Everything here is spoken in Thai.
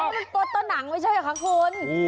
ก็เป็นตัวหนังไม่ใช่เหรอคะคน